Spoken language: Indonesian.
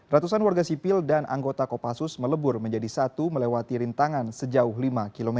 ratusan warga sipil dan anggota kopassus melebur menjadi satu melewati rintangan sejauh lima km